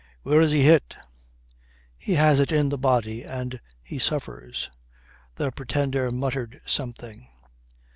"Where is he hit?" "He has it in the body and he suffers." The Pretender muttered something.